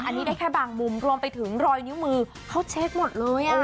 อันนี้ได้แค่บางมุมรวมไปถึงรอยนิ้วมือเขาเช็คหมดเลย